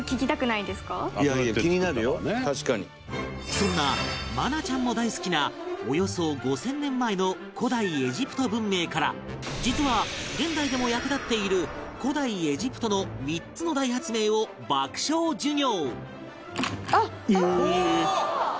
そんな愛菜ちゃんも大好きなおよそ５０００年前の古代エジプト文明から実は、現代でも役立っている古代エジプトの３つの大発明を爆笑授業